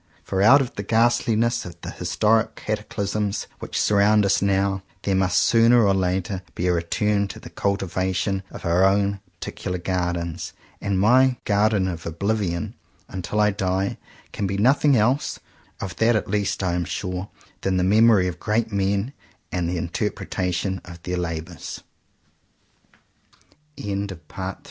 For out of the ghastliness of the historic cataclysms which surround us now, there must sooner or later be a return to the cultivation of our own particular gardens; and my "garden of oblivion," until I die, can be nothing else — of that, at least, I am sure — than the memory of great men and the inte